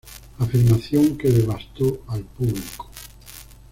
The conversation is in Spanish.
Afirmación que devastó al público.